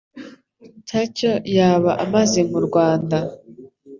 tacyo yaba amaze mu Rwanda.